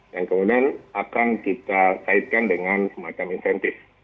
yang kemudian akan kita kaitkan dengan semacam insentif